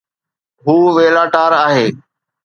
هو ويلا ٽار آهي